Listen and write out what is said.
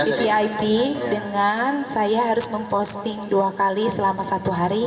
vvip dengan saya harus memposting dua kali selama satu hari